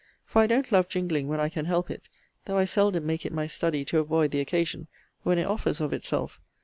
For I don't love jingling when I can help it; though I seldom make it my study to avoid the occasion, when it offers of itself.